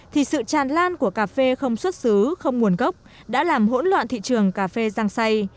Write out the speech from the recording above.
thì sự tràn lan của cà phê không xuất xứ không nguồn gốc đã làm hỗn loạn thị trường cà phê giang say